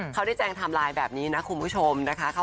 เขาได้แจ้งไทม์ไลน์แบบนี้นะคุณผู้ชมนะคะ